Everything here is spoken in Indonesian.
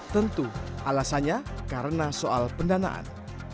tentu alasannya karena soal pendanaan